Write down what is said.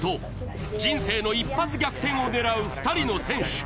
人生の一発逆転を狙う２人の選手。